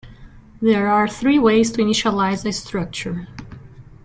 There are three ways to initialize a structure.